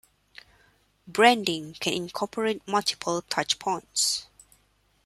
Branding can incorporate multiple touchpoints.